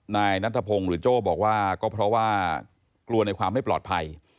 นายนัทพงศ์หรือโจ้บอกว่าก็เพราะว่ากลัวในความไม่ปลอดภัย